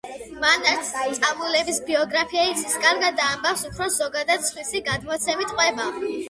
მან არც წამებულის ბიოგრაფია იცის კარგად და ამბავს უფრო ზოგადად, სხვისი გადმოცემით ყვება.